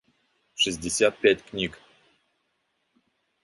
шестьдесят пять книг